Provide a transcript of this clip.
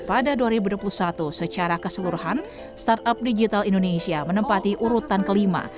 pada dua ribu dua puluh satu secara keseluruhan startup digital indonesia menempati urutan kelima